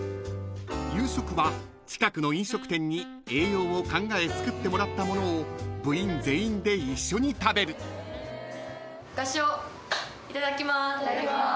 ［夕食は近くの飲食店に栄養を考え作ってもらった物を部員全員で一緒に食べる］いただきます。